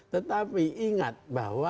tetapi ingat bahwa